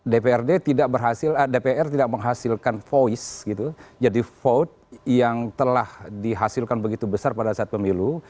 dprd tidak berhasil dpr tidak menghasilkan voice gitu jadi vote yang telah dihasilkan begitu besar pada saat pemilu